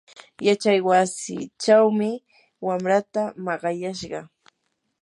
yachaywasichawmi wamraata maqayashqa.